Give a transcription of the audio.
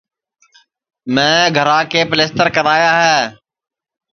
میں گھرا کے پِلیستر کرا یا ہے